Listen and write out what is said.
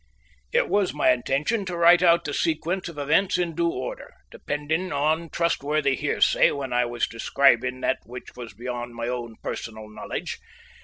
It was my intention to write out the sequence of events in due order, depending on trustworthy hearsay when I was describing that which was beyond my own personal knowledge.